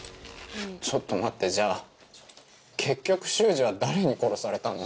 ちょっと待ってじゃあ結局秀司は誰に殺されたの？